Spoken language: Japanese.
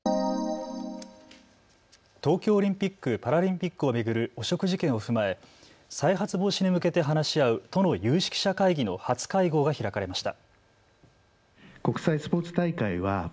東京オリンピック・パラリンピックを巡る汚職事件を踏まえ再発防止に向けて話し合う都の有識者会議の初会合が開かれました。